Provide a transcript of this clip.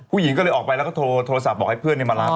ผู้หญิงก็เลยออกไปแล้วก็โทรศัพท์บอกให้เพื่อนมารับ